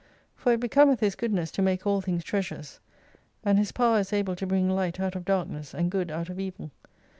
For it becometh His Goodness to make all things treasures : and His Power is able to bring Light out of Darkness, and Good out of Evil.